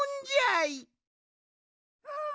うん！